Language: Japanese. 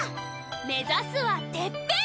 目指すはてっぺん！